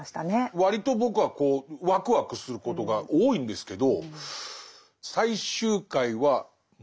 割と僕はワクワクすることが多いんですけど最終回は問題点をという。